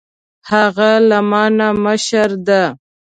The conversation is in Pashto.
هغه له ما نه مشر ده